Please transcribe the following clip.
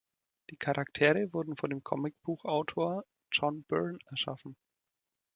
Die Charaktere wurden von dem Comicbuchautor John Byrne erschaffen.